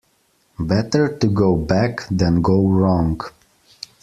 Better to go back than go wrong.